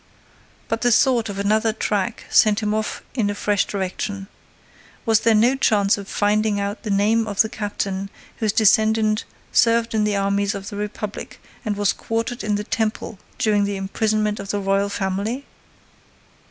But the thought of another track sent him off in a fresh direction. Was there no chance of finding out the name of that captain whose descendant served in the armies of the Republic and was quartered in the Temple during the imprisonment of the Royal family?